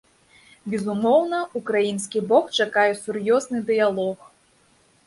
Безумоўна, украінскі бок чакае сур'ёзны дыялог.